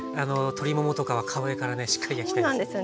鶏ももとかは皮目からねしっかり焼きたいですよね。